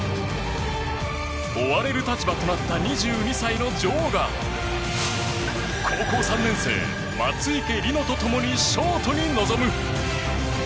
追われる立場となった２２歳の女王が高校３年生・松生理乃と共にショートに臨む。